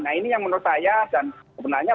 nah ini yang menurut saya dan sebenarnya